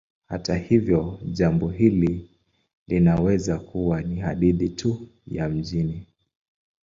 Hata hivyo, jambo hili linaweza kuwa ni hadithi tu ya mijini.